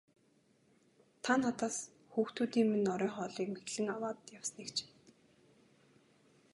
Та надаас хүүхдүүдийн минь оройн хоолыг мэхлэн аваад явсныг чинь.